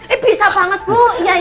eh bisa banget bu